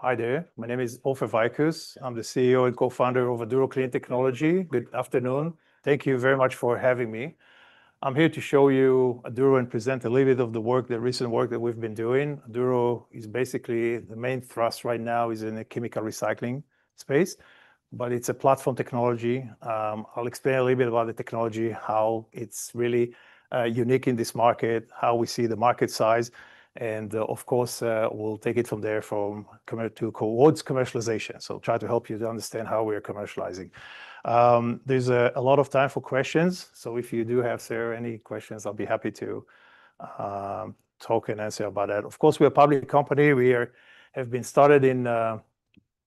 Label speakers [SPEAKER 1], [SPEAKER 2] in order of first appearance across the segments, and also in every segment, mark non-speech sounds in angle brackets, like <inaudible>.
[SPEAKER 1] Hi, there. My name is Ofer Vicus. I'm the CEO and co-founder of Aduro Clean Technologies. Good afternoon. Thank you very much for having me. I'm here to show you Aduro and present a little bit of the work, the recent work that we've been doing. Aduro is basically the main thrust right now is in the chemical recycling space, but it's a platform technology. I'll explain a little bit about the technology, how it's really unique in this market, how we see the market size, and of course, we'll take it from there to towards commercialization, so try to help you to understand how we are commercializing. There's a lot of time for questions, so if you do have, sir, any questions, I'll be happy to talk and answer about that. Of course, we are a public company. We have been started in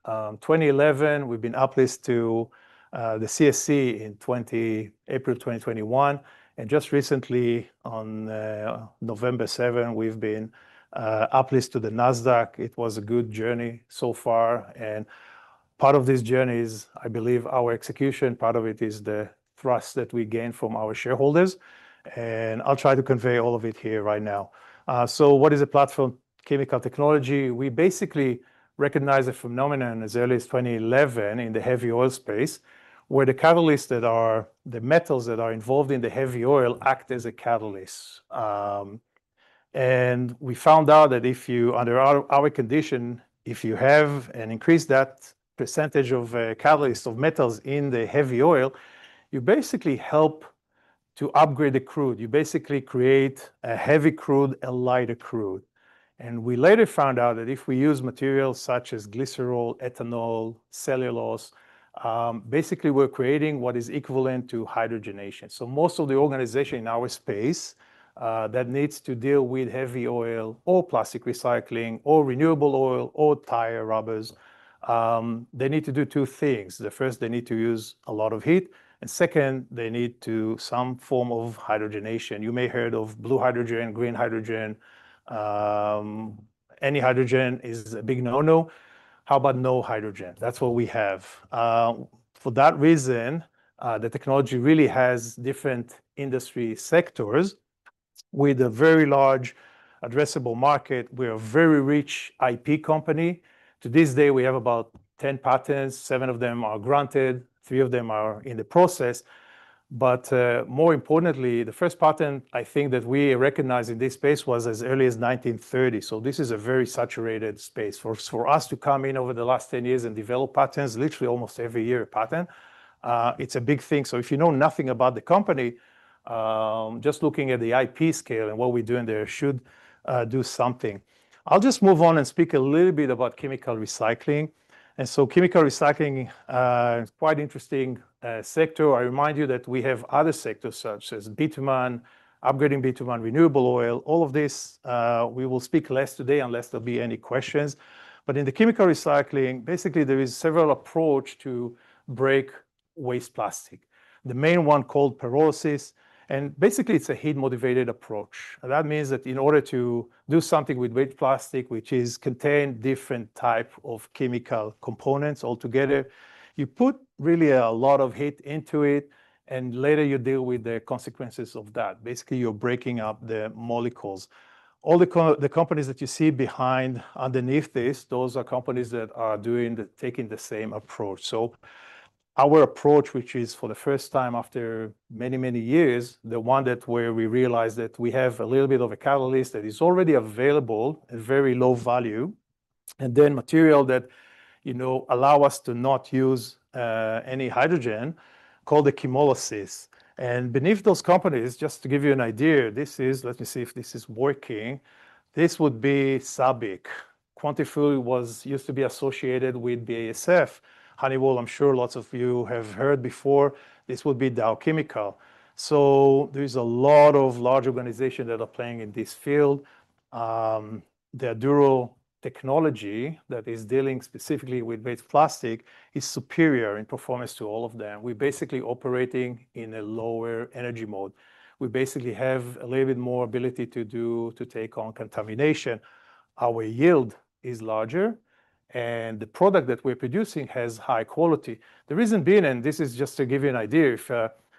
[SPEAKER 1] 2011. We've been uplisted to the CSE in April 2021. And just recently, on November 7, we've been uplisted to the NASDAQ. It was a good journey so far. And part of this journey is, I believe, our execution. Part of it is the thrust that we gained from our shareholders. And I'll try to convey all of it here right now. So what is a platform chemical technology? We basically recognize a phenomenon as early as 2011 in the heavy oil space, where the catalysts that are the metals that are involved in the heavy oil act as a catalyst. And we found out that if you, under our condition, if you have an increased percentage of catalysts of metals in the heavy oil, you basically help to upgrade the crude. You basically create a heavy crude and lighter crude. And we later found out that if we use materials such as glycerol, ethanol, cellulose, basically we're creating what is equivalent to hydrogenation. So most of the organizations in our space that needs to deal with heavy oil or plastic recycling or renewable oil or tire rubbers, they need to do two things. The first, they need to use a lot of heat. And second, they need some form of hydrogenation. You may have heard of blue hydrogen, green hydrogen. Any hydrogen is a big no-no. How about no hydrogen? That's what we have. For that reason, the technology really has different industry sectors with a very large addressable market. We're a very rich IP company. To this day, we have about 10 patents. Seven of them are granted. Three of them are in the process. But more importantly, the first patent I think that we recognized in this space was as early as 1930. So this is a very saturated space for us to come in over the last 10 years and develop patents, literally almost every year a patent. It's a big thing. So if you know nothing about the company, just looking at the IP scale and what we're doing there should do something. I'll just move on and speak a little bit about chemical recycling. And so chemical recycling is quite an interesting sector. I remind you that we have other sectors such as bitumen, upgrading bitumen renewable oil. All of this, we will speak less today unless there'll be any questions. But in the chemical recycling, basically, there is several approaches to break waste plastic. The main one is called pyrolysis. And basically, it's a heat-motivated approach. That means that in order to do something with waste plastic, which contains different types of chemical components altogether, you put really a lot of heat into it, and later you deal with the consequences of that. Basically, you're breaking up the molecules. All the companies that you see behind, underneath this, those are companies that are taking the same approach. So our approach, which is for the first time after many, many years, the one where we realized that we have a little bit of a catalyst that is already available at very low value, and then material that allows us to not use any hydrogen called the chemolysis. And beneath those companies, just to give you an idea, this is, let me see if this is working. This would be SABIC. Quantafuel used to be associated with BASF. Honeywell, I'm sure lots of you have heard before. This would be Dow Chemical, so there's a lot of large organizations that are playing in this field. The Aduro technology that is dealing specifically with waste plastic is superior in performance to all of them. We're basically operating in a lower energy mode. We basically have a little bit more ability to take on contamination. Our yield is larger, and the product that we're producing has high quality. The reason being, and this is just to give you an idea, if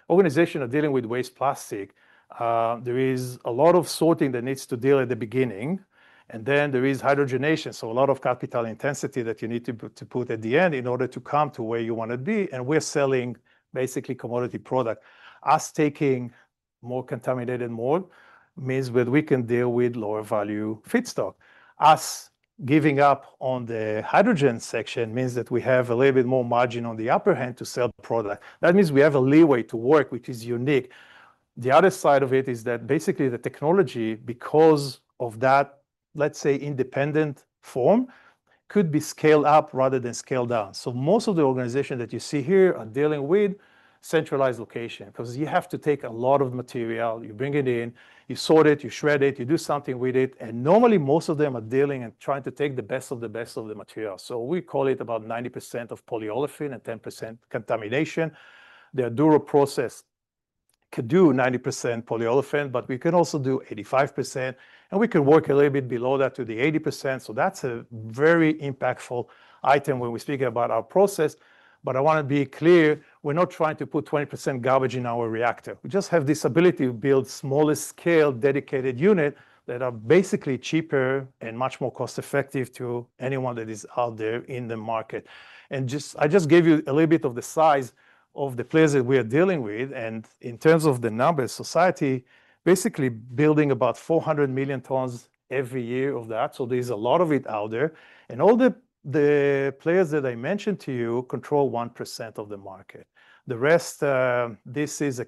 [SPEAKER 1] organizations are dealing with waste plastic, there is a lot of sorting that needs to be done at the beginning. And then there is hydrogenation, so a lot of capital intensity that you need to put at the end in order to come to where you want to be, and we're selling basically commodity product. Our taking more contaminated material means that we can deal with lower value feedstock. Our giving up on the hydrogen injection means that we have a little bit more margin on the upper hand to sell the product. That means we have a leeway to work, which is unique. The other side of it is that basically the technology, because of that, let's say, independent form, could be scaled up rather than scaled down, so most of the organizations that you see here are dealing with centralized location because you have to take a lot of material. You bring it in, you sort it, you shred it, you do something with it, and normally, most of them are dealing and trying to take the best of the best of the material, so we call it about 90% of polyolefin and 10% contamination. The Aduro process could do 90% polyolefin, but we can also do 85%, and we can work a little bit below that to the 80%. So that's a very impactful item when we're speaking about our process. But I want to be clear, we're not trying to put 20% garbage in our reactor. We just have this ability to build small-scale dedicated units that are basically cheaper and much more cost-effective to anyone that is out there in the market. And I just gave you a little bit of the size of the players that we are dealing with. And in terms of the numbers, society is basically building about 400 million tons every year of that. So there's a lot of it out there. And all the players that I mentioned to you control 1% of the market. The rest, this is a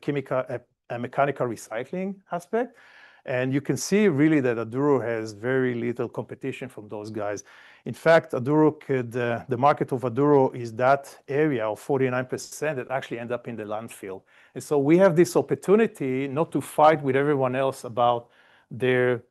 [SPEAKER 1] mechanical recycling aspect. And you can see really that Aduro has very little competition from those guys. In fact, the market of Aduro is that area of 49% that actually ends up in the landfill. And so we have this opportunity not to fight with everyone else about their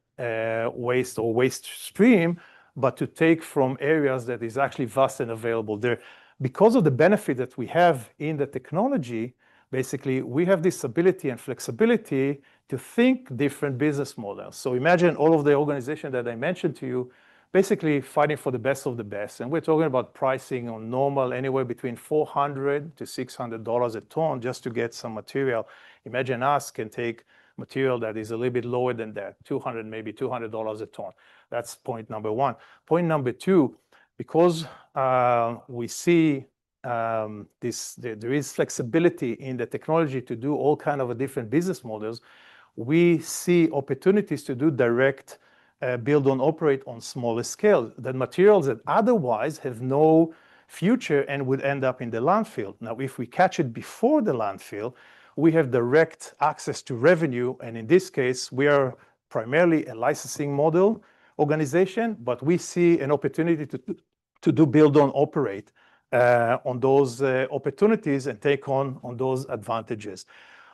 [SPEAKER 1] waste or waste stream, but to take from areas that are actually vast and available there. Because of the benefit that we have in the technology, basically, we have this ability and flexibility to think different business models. So imagine all of the organizations that I mentioned to you basically fighting for the best of the best. And we're talking about pricing on normal anywhere between $400-$600 a ton just to get some material. Imagine us can take material that is a little bit lower than that, maybe $200 a ton. That's point number one. Point number two, because we see there is flexibility in the technology to do all kinds of different business models, we see opportunities to do direct build-own-operate on smaller scales, the materials that otherwise have no future and would end up in the landfill. Now, if we catch it before the landfill, we have direct access to revenue, and in this case, we are primarily a licensing model organization, but we see an opportunity to do build-own-operate on those opportunities and take on those advantages.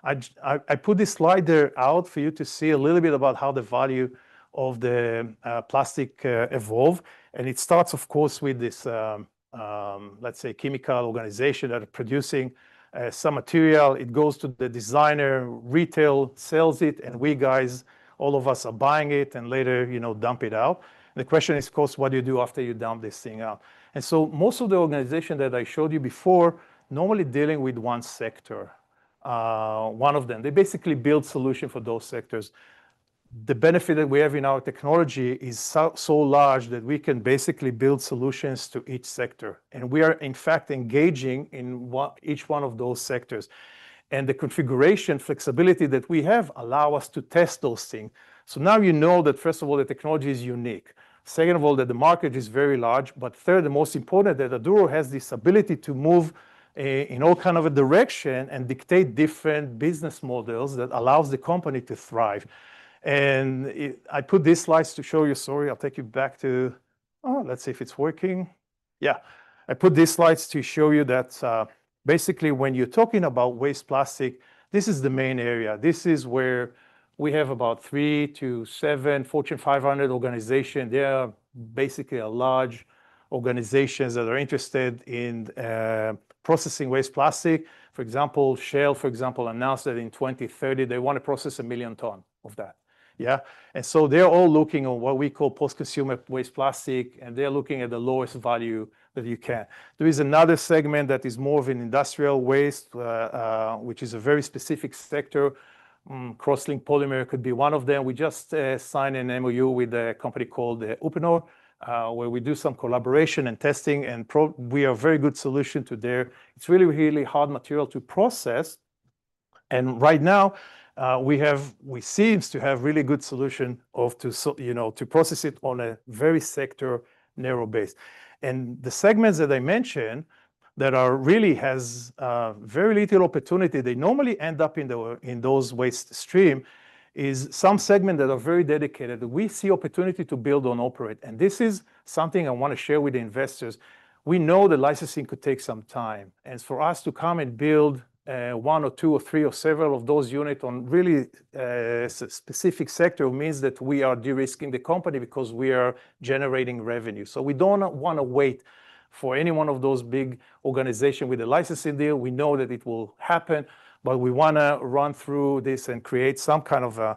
[SPEAKER 1] I put this slide there out for you to see a little bit about how the value of the plastic evolved, and it starts, of course, with this, let's say, chemical organization that are producing some material. It goes to the designer, retail, sells it, and we guys, all of us, are buying it and later dump it out. The question is, of course, what do you do after you dump this thing out? And so most of the organizations that I showed you before are normally dealing with one sector, one of them. They basically build solutions for those sectors. The benefit that we have in our technology is so large that we can basically build solutions to each sector. And we are, in fact, engaging in each one of those sectors. And the configuration flexibility that we have allows us to test those things. So now you know that, first of all, the technology is unique. Second of all, that the market is very large. But third, the most important is that Aduro has this ability to move in all kinds of directions and dictate different business models that allow the company to thrive. And I put these slides to show you. Sorry, I'll take you back to, oh, let's see if it's working. Yeah. I put these slides to show you that basically when you're talking about waste plastic, this is the main area. This is where we have about three to seven Fortune 500 organizations. They are basically large organizations that are interested in processing waste plastic. For example, Shell, for example, announced that in 2030, they want to process a million tons of that. Yeah. And so they're all looking at what we call post-consumer waste plastic, and they're looking at the lowest value that you can. There is another segment that is more of an industrial waste, which is a very specific sector. Cross-linked polymer could be one of them. We just signed an MOU with a company called Uponor, where we do some collaboration and testing, and we are a very good solution to there. It's really, really hard material to process. And right now, we seem to have a really good solution to process it on a very sector-narrow base. And the segments that I mentioned that really have very little opportunity, they normally end up in those waste streams, is some segments that are very dedicated. We see opportunity to build-own-operate. And this is something I want to share with the investors. We know the licensing could take some time. And for us to come and build one or two or three or several of those units on a really specific sector means that we are de-risking the company because we are generating revenue. So we don't want to wait for any one of those big organizations with a licensing deal. We know that it will happen, but we want to run through this and create some kind of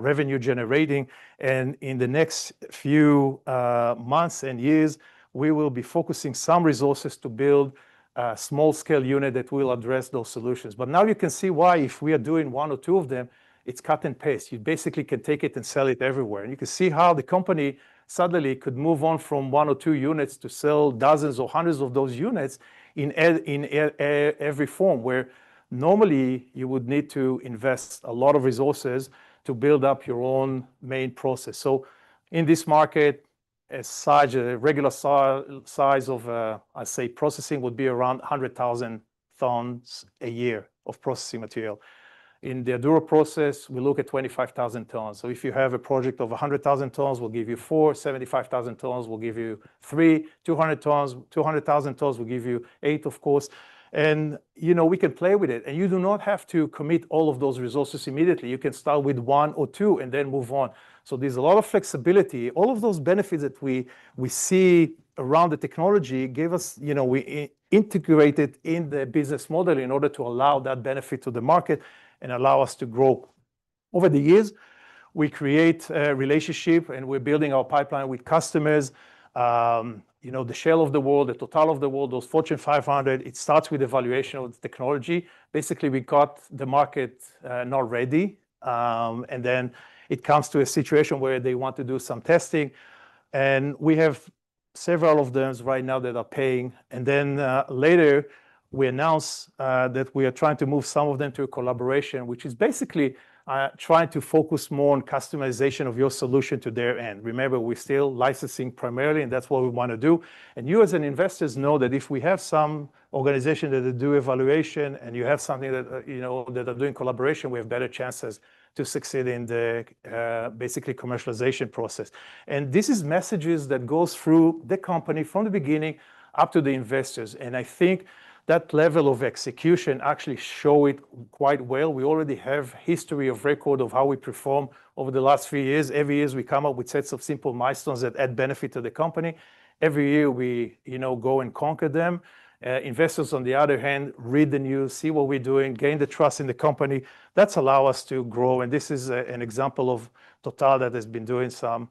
[SPEAKER 1] revenue-generating. And in the next few months and years, we will be focusing some resources to build a small-scale unit that will address those solutions. But now you can see why if we are doing one or two of them, it's cut and paste. You basically can take it and sell it everywhere. And you can see how the company suddenly could move on from one or two units to sell dozens or hundreds of those units in every form, where normally you would need to invest a lot of resources to build up your own main process. So in this market, a regular size of, I'd say, processing would be around 100,000 tons a year of processing material. In the Aduro process, we look at 25,000 tons. So if you have a project of 100,000 tons, we'll give you four. 75,000 tons will give you three. 200,000 tons will give you eight, of course, and we can play with it, and you do not have to commit all of those resources immediately. You can start with one or two and then move on, so there's a lot of flexibility. All of those benefits that we see around the technology give us, we integrate it in the business model in order to allow that benefit to the market and allow us to grow. Over the years, we create a relationship, and we're building our pipeline with customers. The Shell of the world, the Total of the world, those Fortune 500, it starts with evaluation of the technology. Basically, we got the market not ready, and then it comes to a situation where they want to do some testing, and we have several of those right now that are paying. And then later, we announce that we are trying to move some of them to a collaboration, which is basically trying to focus more on customization of your solution to their end. Remember, we're still licensing primarily, and that's what we want to do. And you, as investors, know that if we have some organization that does evaluation and you have something that are doing collaboration, we have better chances to succeed in the basically commercialization process. And this is messages that go through the company from the beginning up to the investors. And I think that level of execution actually shows it quite well. We already have a history of record of how we perform over the last few years. Every year, we come up with sets of simple milestones that add benefit to the company. Every year, we go and conquer them. Investors, on the other hand, read the news, see what we're doing, gain the trust in the company. That's allowed us to grow, and this is an example of Total that has been doing some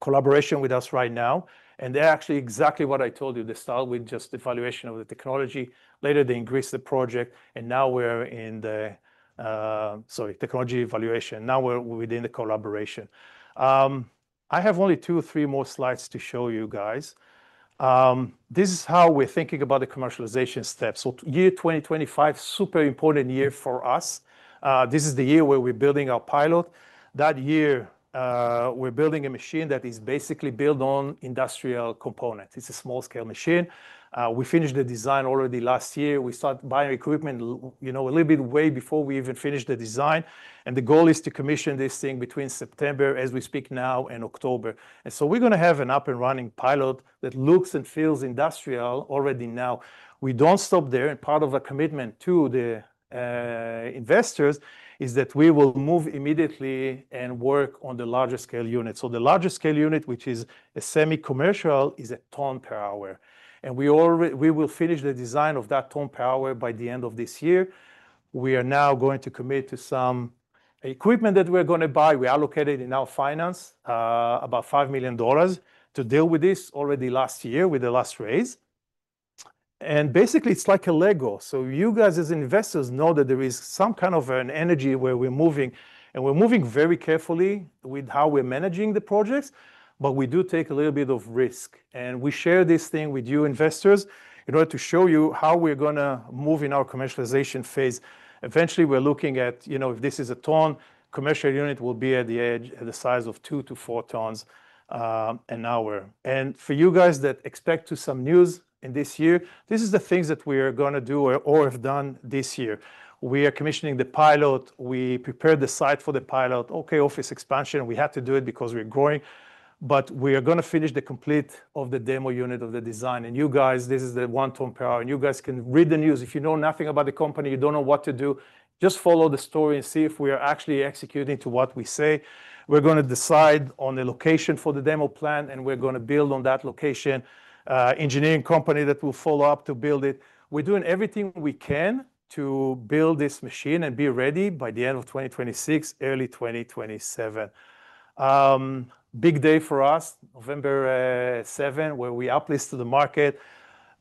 [SPEAKER 1] collaboration with us right now, and they're actually exactly what I told you. They start with just evaluation of the technology. Later, they increase the project, and now we're in the, sorry, technology evaluation. Now we're within the collaboration. I have only two or three more slides to show you guys. This is how we're thinking about the commercialization steps, so year 2025, super important year for us. This is the year where we're building our pilot. That year, we're building a machine that is basically built on industrial components. It's a small-scale machine. We finished the design already last year. We started buying equipment a little bit way before we even finished the design. The goal is to commission this thing between September, as we speak now, and October. So we're going to have an up-and-running pilot that looks and feels industrial already now. We don't stop there. Part of our commitment to the investors is that we will move immediately and work on the larger-scale unit. The larger-scale unit, which is a semi-commercial, is a ton per hour. We will finish the design of that ton per hour by the end of this year. We are now going to commit to some equipment that we're going to buy. We allocated in our finance about 5 million dollars to deal with this already last year with the last raise. Basically, it's like a lego. You guys, as investors, know that there is some kind of an energy where we're moving. We're moving very carefully with how we're managing the projects. We do take a little bit of risk. We share this thing with you investors in order to show you how we're going to move in our commercialization phase. Eventually, we're looking at if this is a ton, commercial unit will be at the edge at the size of two to four tons an hour. For you guys that expect some news in this year, this is the things that we are going to do or have done this year. We are commissioning the pilot. We prepared the site for the pilot. Okay, office expansion. We have to do it because we're growing. We are going to finish the complete of the demo unit of the design. You guys, this is the one ton per hour. You guys can read the news. If you know nothing about the company, you don't know what to do. Just follow the story and see if we are actually executing to what we say. We're going to decide on the location for the demo plant, and we're going to build on that location. Engineering company that will follow up to build it. We're doing everything we can to build this machine and be ready by the end of 2026, early 2027. Big day for us, November 7, where we uplist to the market.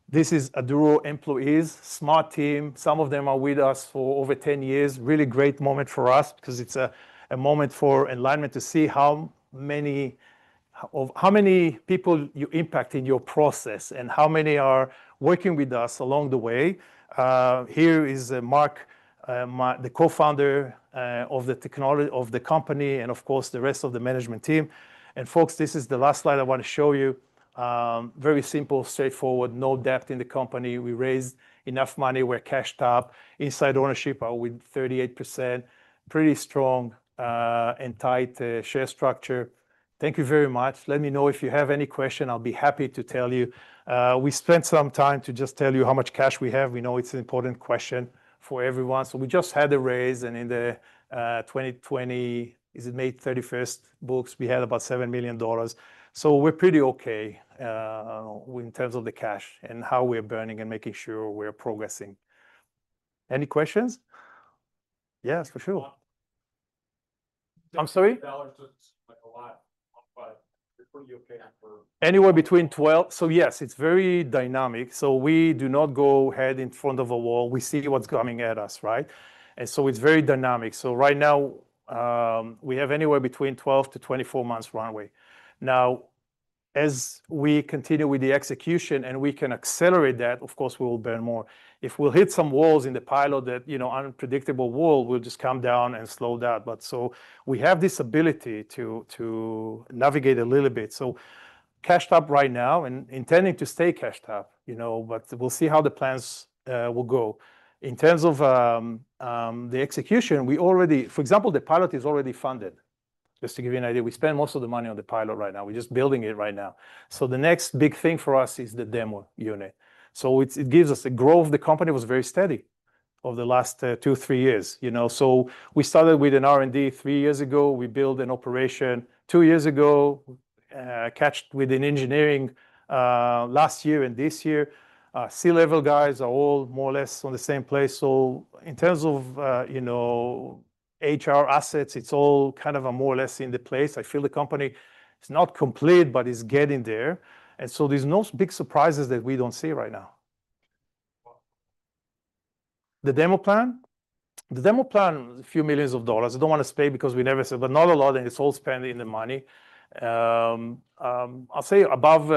[SPEAKER 1] This is Aduro employees, smart team. Some of them are with us for over 10 years. Really great moment for us because it's a moment for enlightenment to see how many people you impact in your process and how many are working with us along the way. Here is Mark, the Co-founder of the technology of the company and, of course, the rest of the management team, and folks, this is the last slide I want to show you. Very simple, straightforward, no debt in the company. We raised enough money. We're cashed up. Insider ownership are with 38%. Pretty strong and tight share structure. Thank you very much. Let me know if you have any question. I'll be happy to tell you. We spent some time to just tell you how much cash we have. We know it's an important question for everyone, so we just had a raise, and in the 2020, is it May 31st? Books, we had about $7 million. So we're pretty okay in terms of the cash and how we're burning and making sure we're progressing. Any questions? Yes, for sure. I'm sorry? <inaudible> 12 is a lot, but we're pretty okay for <inaudible> Anywhere between 12. So yes, it's very dynamic. So we do not go head in front of a wall. We see what's coming at us, right? And so it's very dynamic. So right now, we have anywhere between 12 to 24 months runway. Now, as we continue with the execution and we can accelerate that, of course, we will burn more. If we'll hit some walls in the pilot, that unpredictable wall, we'll just come down and slow down. But so we have this ability to navigate a little bit. So cashed up right now and intending to stay cashed up, but we'll see how the plans will go. In terms of the execution, we already, for example, the pilot is already funded. Just to give you an idea, we spend most of the money on the pilot right now. We're just building it right now. The next big thing for us is the demo unit, so it gives us a growth. The company was very steady over the last two, three years, so we started with an R&D three years ago. We built an operation two years ago, caught up with engineering last year and this year. C-level guys are all more or less in the same place, so in terms of HR assets, it's all kind of more or less in the place. I feel the company is not complete, but it's getting there, and so there's no big surprises that we don't see right now. The demo plant? The demo plant is a few million CAD. I don't want to say because we never said, but not a lot, and it's all spending the money. I'll say above,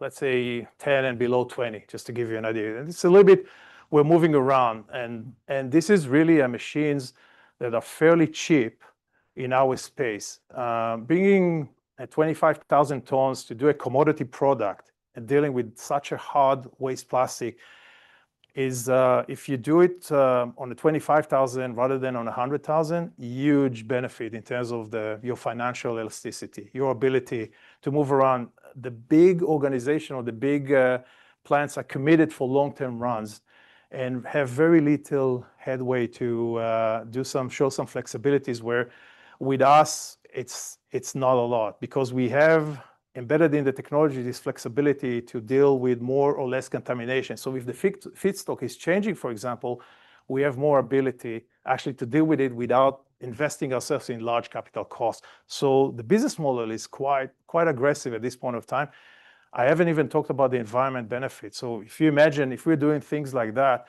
[SPEAKER 1] let's say, 10 and below 20, just to give you an idea, and it's a little bit we're moving around, and this is really machines that are fairly cheap in our space. Bringing a 25,000 tons to do a commodity product and dealing with such a hard waste plastic is, if you do it on the 25,000 rather than on 100,000, huge benefit in terms of your financial elasticity, your ability to move around. The big organization or the big plants are committed for long-term runs and have very little headway to show some flexibilities, where with us, it's not a lot because we have embedded in the technology this flexibility to deal with more or less contamination, so if the feedstock is changing, for example, we have more ability actually to deal with it without investing ourselves in large capital costs. The business model is quite aggressive at this point of time. I haven't even talked about the environmental benefits. So if you imagine, if we're doing things like that,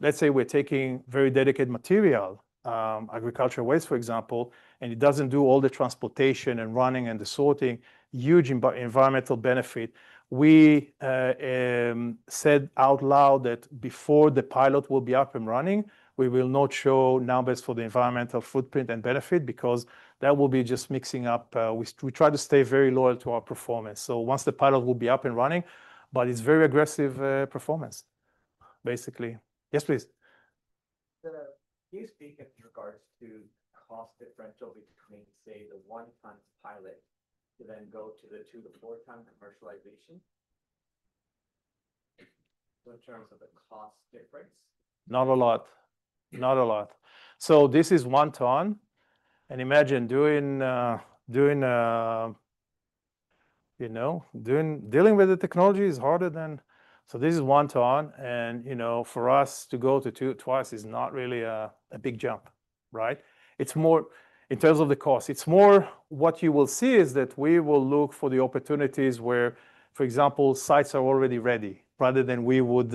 [SPEAKER 1] let's say we're taking very dedicated material, agricultural waste, for example, and it doesn't do all the transportation and running and the sorting, huge environmental benefit. We said out loud that before the pilot will be up and running, we will not show numbers for the environmental footprint and benefit because that will be just mixing up. We try to stay very loyal to our performance. So once the pilot will be up and running, but it's very aggressive performance, basically. Yes, please. Can you speak in regards to the cost differential between, say, the one ton pilot to then go to the two to four ton commercialization? So in terms of the cost difference? Not a lot. Not a lot. So this is one ton. Imagine dealing with the technology is harder than this one ton. For us to go to two twice is not really a big jump, right? It's more in terms of the cost. It's more what you will see is that we will look for the opportunities where, for example, sites are already ready rather than we would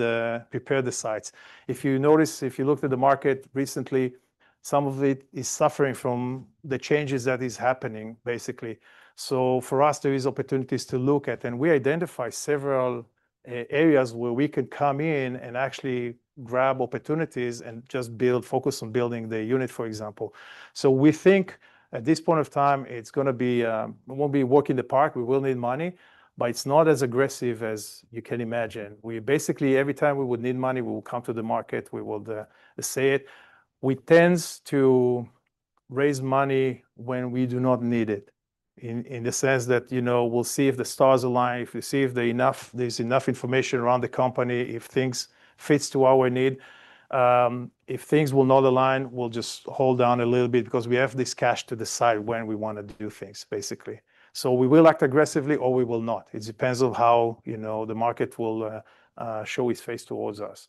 [SPEAKER 1] prepare the sites. If you notice, if you looked at the market recently, some of it is suffering from the changes that is happening, basically. So for us, there are opportunities to look at. And we identify several areas where we can come in and actually grab opportunities and just focus on building the unit, for example. So we think at this point of time, it's going to be we won't be walking in the park. We will need money, but it's not as aggressive as you can imagine. Basically, every time we would need money, we will come to the market. We will say it. We tend to raise money when we do not need it in the sense that we'll see if the stars align, if we see if there's enough information around the company, if things fit to our need. If things will not align, we'll just hold down a little bit because we have this cash to decide when we want to do things, basically. So we will act aggressively or we will not. It depends on how the market will show its face towards us.